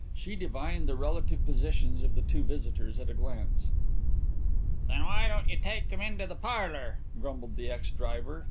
She divined the relative positions of the two visitors at a glance. "Then why don't you take him into the parlour?" grumbled the ex driver.